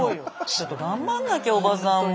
ちょっと頑張んなきゃおばさんも。